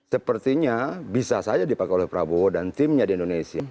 sepertinya bisa saja dipakai oleh prabowo dan timnya di indonesia